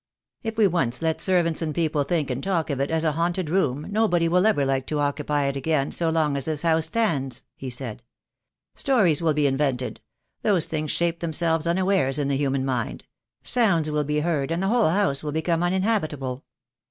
"If we once let servants and people think and talk of it as a haunted room nobody will ever like to occupy it again so long as this house stands," he said. "Stories will be invented — those things shape themselves unawares in the human mind — sounds will be heard, and the whole house will become uninhabitable.